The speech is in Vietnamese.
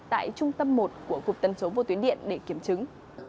tại trung tâm một của cục tân số vô tuyến điện để kiểm chứng